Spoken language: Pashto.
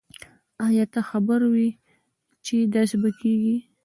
آیا ته خبر وی چې داسي به کیږی